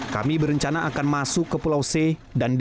kami berencana akan masuk ke pulau c dan d